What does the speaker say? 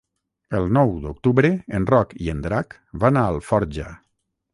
El nou d'octubre en Roc i en Drac van a Alforja.